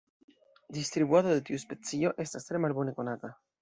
Distribuado de tiu specio estas tre malbone konata.